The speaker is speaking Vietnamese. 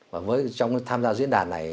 và trong tham gia diễn đàn này